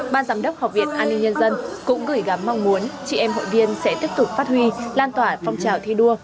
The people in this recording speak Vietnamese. ban giám đốc học viện an ninh nhân dân cũng gửi gắm mong muốn chị em hội viên sẽ tiếp tục phát huy lan tỏa phong trào thi đua